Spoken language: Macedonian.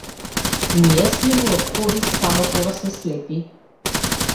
Ние сме му од корист само кога сме слепи.